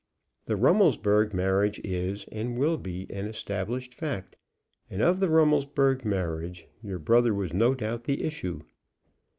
The Rummelsburg marriage is, and will be, an established fact, and of the Rummelsburg marriage your brother was no doubt the issue.